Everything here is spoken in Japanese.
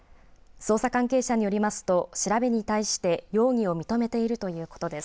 捜査関係者によりますと調べに対して容疑を認めているということです。